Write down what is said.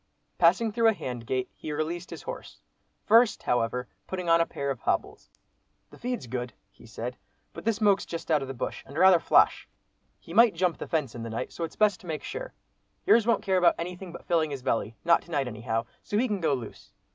Passing through a hand gate, he released his horse, first, however, putting on a pair of hobbles; "the feed's good," he said, "but this moke's just out of the bush, and rather flash—he might jump the fence in the night, so it's best to make sure. Yours won't care about anything but filling his belly, not to night anyhow, so he can go loose.